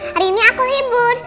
hari ini aku libur